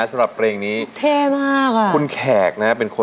มันมากมาก